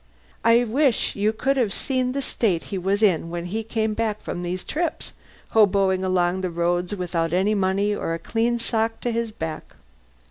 (I wish you could have seen the state he was in when he came back from these trips, hoboing it along the roads without any money or a clean sock to his back.